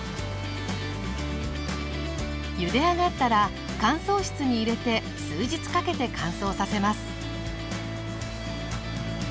ゆで上がったら乾燥室に入れて数日かけて乾燥させます。